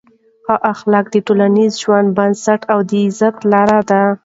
ښه اخلاق د ټولنیز ژوند بنسټ او د عزت لار ده.